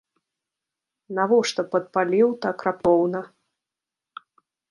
Навошта падпаліў так раптоўна?